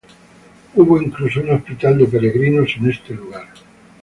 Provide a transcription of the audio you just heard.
Hubo incluso un hospital de peregrinos en este lugar.